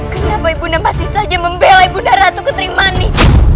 kenapa ibunda masih saja membelai bunda ratu kentrimanik